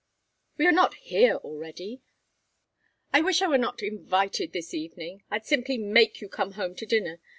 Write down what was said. We are not here, already? I wish I were not invited this evening, I'd simply make you come home to dinner.